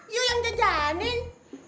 yu yang jajanin